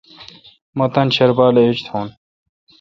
مہ تان شربال ایج تھون۔